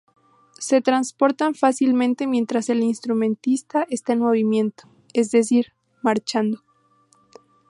Se transportan fácilmente mientras el instrumentista está en movimiento, es decir, marchando.